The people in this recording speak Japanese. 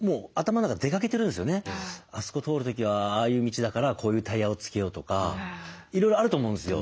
あそこ通る時はああいう道だからこういうタイヤをつけようとかいろいろあると思うんですよ